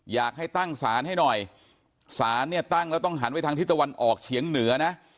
อยากให้ตั้งศาลให้หน่อยศาลเนี่ยตั้งแล้วต้องหันไปทางที่ตะวันออกเฉียงเหนือนะ